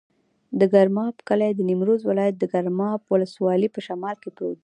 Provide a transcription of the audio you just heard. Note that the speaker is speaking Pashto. د ګرماب کلی د نیمروز ولایت، ګرماب ولسوالي په شمال کې پروت دی.